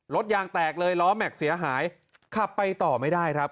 ยางแตกเลยล้อแม็กซ์เสียหายขับไปต่อไม่ได้ครับ